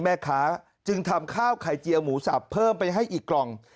แม่ค้าจึงทำข้าวไข่เจียวหมูสับเพิ่มไปให้อีกกล่อง